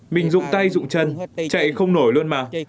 mình dụng tay dụng chân chạy không nổi luôn mà